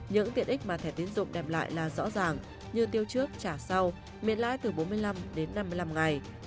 những tiện ích mà thẻ tiến dụng đem lại là rõ ràng như tiêu trước trả sau miễn lãi từ bốn mươi năm đến năm mươi năm ngày